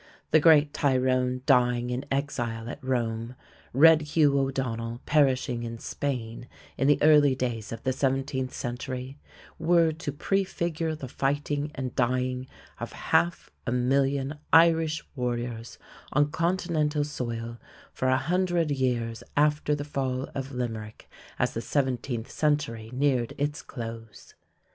The great Tyrone dying in exile at Rome, Red Hugh O'Donnell perishing in Spain in the early days of the seventeenth century, were to prefigure the fighting and dying of half a million Irish warriors on continental soil for a hundred years after the fall of Limerick as the seventeenth century neared its close.